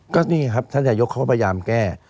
ก็นี่ครับท่านนายกเขาก็พยายามแก้